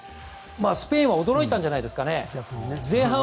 スペインは驚いたんじゃないですかね。